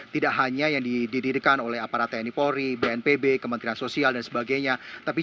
tidak hanya yang didirikan oleh aparat tni polri bnpb kementerian sosial dan sebagainya